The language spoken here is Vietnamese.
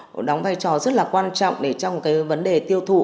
có một vai trò rất là quan trọng để trong cái vấn đề tiêu thụ